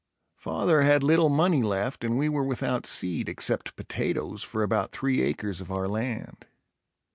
Father had little money left and we were without seed, except potatoes, for about three acres of our land.